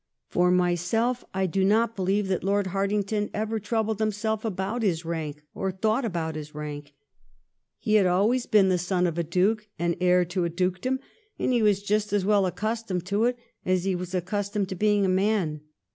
For my self, I do not be lieve that Lord Hartington ever troubled himself about his rank or thought about his rank. He had always been the son of a Duke and heir to a dukedom, and he was just as well accustomed to it as he was accus tomed to being a man.